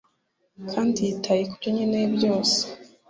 kandi yitaye kubyo nkeneye byose.